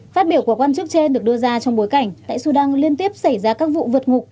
phát biểu của quan chức trên được đưa ra trong bối cảnh tại sudan liên tiếp xảy ra các vụ vượt ngục